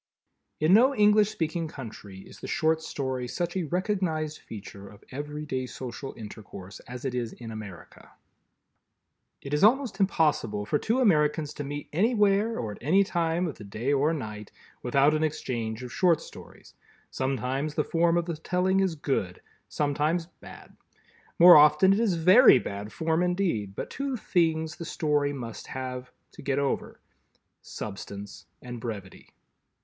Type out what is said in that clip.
In no English speaking country is the Short Story such a recognized feature of everyday social intercourse as it is in America. It is almost impossible for two Americans to meet anywhere or at any time of the day or night without an exchange of Short Stories. Sometimes the form of the telling is good, sometimes bad. More often it is very bad form indeed, but two things the Story must have—to "get over"—substance and brevity.